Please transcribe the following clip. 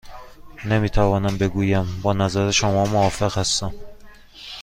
نمی توانم بگویم با نظر شما موافق هستم.